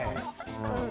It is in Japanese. うん。